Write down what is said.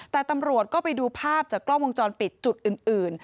แต่ตำรวจก็ไปดูภาพจากกล้องวงจรปิดจุดอื่น